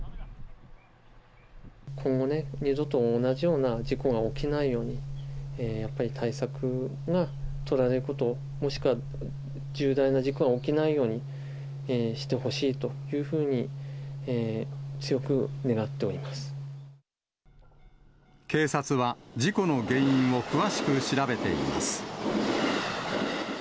今後、二度と同じような事故が起きないように、やっぱり対策が取られること、もしくは重大な事故が起きないようにしてほしいというふうに、警察は事故の原因を詳しく調べています。